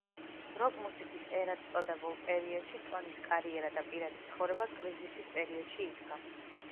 როკ მუსიკის ერად წოდებულ პერიოდში ტონის კარიერა და პირადი ცხოვრება კრიზისის პერიოდში იდგა.